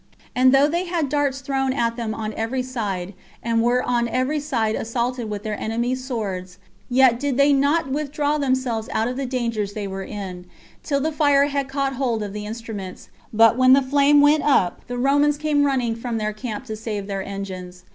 And though they had darts thrown at them on every side, and were on every side assaulted with their enemies' swords, yet did they not withdraw themselves out of the dangers they were in, till the fire had caught hold of the instruments; but when the flame went up, the Romans came running from their camp to save their engines.